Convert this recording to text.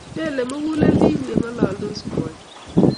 Belei mugulel bik yengololdos kwonyik